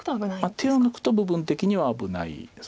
手を抜くと部分的には危ないです。